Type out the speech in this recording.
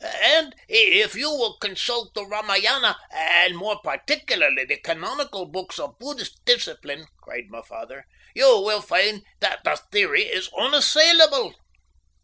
"And if you will consult the Ramayana, and more particularly the canonical books on Buddhist discipline," cried my father, "you will find that the theory is unassailable."